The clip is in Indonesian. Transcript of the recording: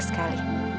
terima kasih tante